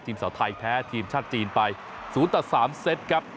สาวไทยแพ้ทีมชาติจีนไป๐ต่อ๓เซตครับ